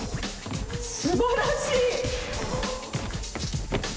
すばらしい！